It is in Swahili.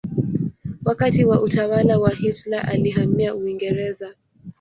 Wakati wa utawala wa Hitler alihamia Uingereza.